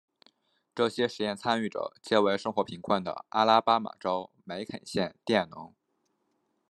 这些实验参与者皆为生活贫困的阿拉巴马州梅肯县佃农。